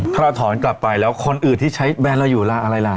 ถ้าเราถอนกลับไปแล้วคนอื่นที่ใช้แบรนด์เราอยู่ล่ะอะไรล่ะ